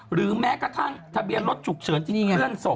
หรือแม้กระทั่งทะเบียนรถฉุกเฉินที่นี่ไงเลื่อนศพ